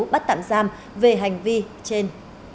bắt tạm giam về hành vi trên